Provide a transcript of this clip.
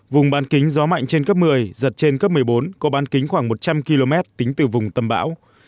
vùng bán kính gió mạnh trên cấp một mươi giật trên cấp một mươi bốn có bán kính khoảng một trăm linh km tính từ vùng tâm bão